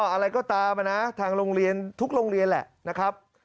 อะไรก็ตามนะทางโรงเรียนทุกโรงเรียนแหละนะครับ